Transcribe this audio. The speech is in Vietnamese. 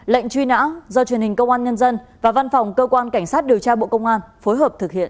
lệnh truy nã do truyền hình công an nhân dân và văn phòng cơ quan cảnh sát điều tra bộ công an phối hợp thực hiện